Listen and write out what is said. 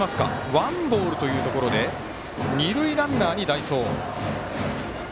ワンボールというところで二塁ランナーに代走。